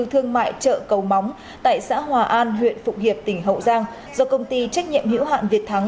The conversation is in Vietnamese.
thương mại chợ cầu móng tại xã hòa an huyện phụng hiệp tỉnh hậu giang do công ty trách nhiệm hữu hạn việt thắng